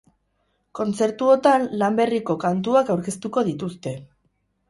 Kontzertuotan lan berriko kantuak aurkeztuko dituzte.